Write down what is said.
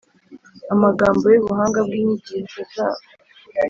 amagambo y’ubuhanga bw’inyigisho zabo.